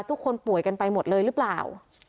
ทุกคนป่วยกันไปหมดเลยหรือเปล่า